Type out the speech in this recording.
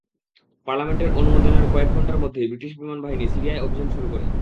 পার্লামেন্টের অনুমোদনের কয়েক ঘণ্টার মধ্যেই ব্রিটিশ বিমানবাহিনী সিরিয়ায় অভিযান শুরু করে।